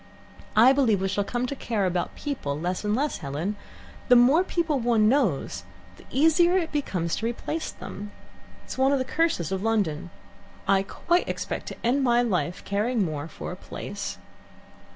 "I believe we shall come to care about people less and less, Helen. The more people one knows the easier it becomes to replace them. It's one of the curses of London. I quite expect to end my life caring most for a place."